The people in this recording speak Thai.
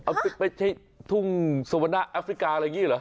ไปที่ทุ่งสวนะแอฟริกาอะไรอย่างนี้เหรอ